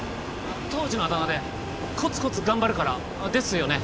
当時のあだ名でコツコツ頑張るからですよね？